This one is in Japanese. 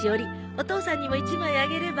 お父さんにも１枚あげれば？